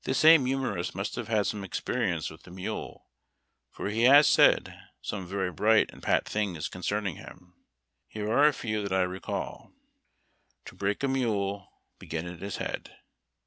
This same humorist must have had some experience with the mule, for he has said some very bright and pat things concerning him. Here are a few that I recall :— "To break a mule — begin at his head."